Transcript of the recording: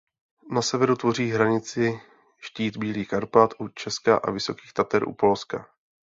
Na severu tvoří hranici štít Bílých Karpat u Česka a Vysokých Tater u Polska.